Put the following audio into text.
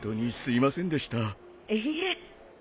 いいえ。